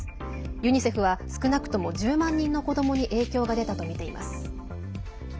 ユニセフは少なくとも１０万人の子どもに影響が出たとみています。